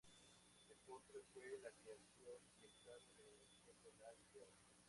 El postre fue la creación y examen de graduación de la empleada.